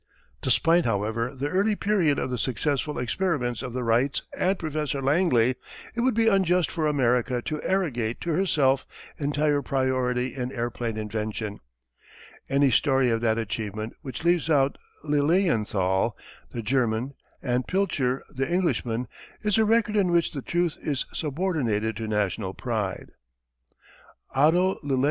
Despite, however, the early period of the successful experiments of the Wrights and Professor Langley, it would be unjust for America to arrogate to herself entire priority in airplane invention. Any story of that achievement which leaves out Lilienthal, the German, and Pilcher, the Englishman, is a record in which the truth is subordinated to national pride. [Illustration: Langley's Airplane.